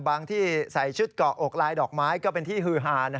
ที่ใส่ชุดเกาะอกลายดอกไม้ก็เป็นที่ฮือหา